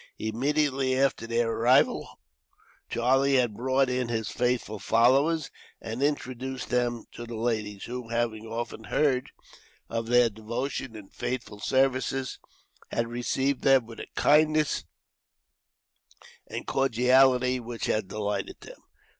Immediately after their arrival, Charlie had brought in his faithful followers and introduced them to the ladies; who, having often heard of their devotion and faithful services, had received them with a kindness and cordiality which had delighted them.